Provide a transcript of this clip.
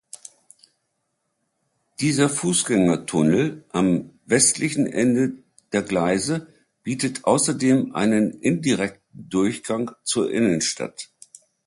Dieser Fußgängertunnel am westlichen Ende der Gleise bietet außerdem einen indirekten Durchgang zur Innenstadt.